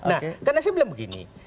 nah karena saya bilang begini